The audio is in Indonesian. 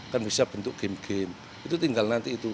kan bisa bentuk game game itu tinggal nanti itu